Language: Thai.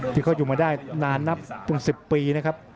ที่เขาอยู่มาได้นานนับเป็น๑๐ปีนะครับ